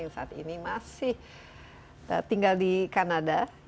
yang saat ini masih tinggal di kanada